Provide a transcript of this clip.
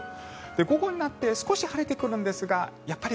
午後になって少し晴れてくるんですがやっぱり